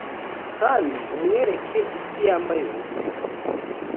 kandi umwereke isi yambaye ubusa